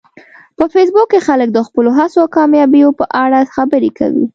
په فېسبوک کې خلک د خپلو هڅو او کامیابیو په اړه خبرې کوي